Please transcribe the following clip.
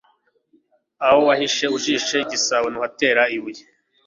aho wahishe (ujishe) igisabo, ntuhatera ibuye